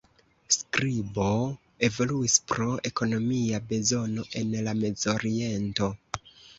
Skribo evoluis pro ekonomia bezono en la Mezoriento.